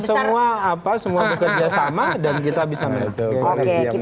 semua apa semua bekerja sama dan kita bisa mendukung